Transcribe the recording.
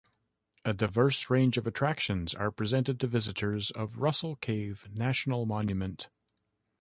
A diverse range of attractions are presented to visitors of Russell Cave National Monument.